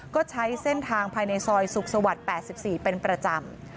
ก็ใช้เส้นทางภายในซอยสุขสวรรค์๘๔เป็นประจำ